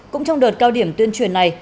cũng trong đợt cao điểm tuyên truyền này